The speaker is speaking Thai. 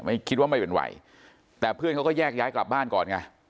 คิดว่าไม่เป็นไหวแต่เพื่อนเขาก็แยกย้ายกลับบ้านก่อนไง